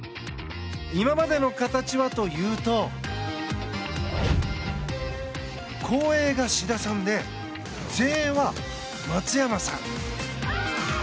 今までの形はというと後衛が志田さんで前衛は松山さん。